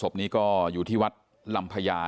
ศพนี้ก็อยู่ที่วัดลำพญา